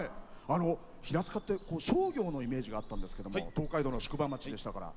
平塚って、商業のイメージがあったんですけど東海道の宿場町でしたから。